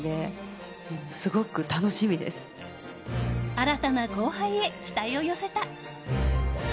新たな後輩へ期待を寄せた。